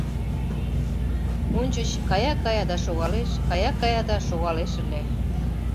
— Ончыч кая-кая да шогалеш, кая-кая да шогалеш ыле.